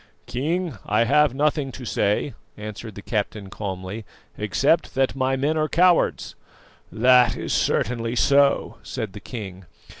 "King, I have nothing to say," answered the captain calmly, "except that my men are cowards." "That is certainly so," said the king.